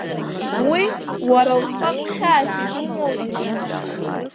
Уи, уара усҟак хьаас изумоузеи?!